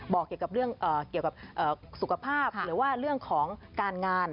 บอกเกี่ยวกับเรื่องเกี่ยวกับสุขภาพหรือว่าเรื่องของการงาน